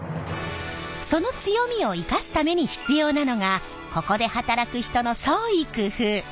その強みを生かすために必要なのがここで働く人の創意工夫。